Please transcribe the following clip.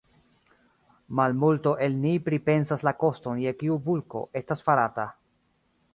Malmulto el ni pripensas la koston je kiu bulko estas farata.